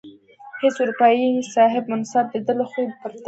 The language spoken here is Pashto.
هیڅ اروپايي صاحب منصب د ده له خوښې پرته.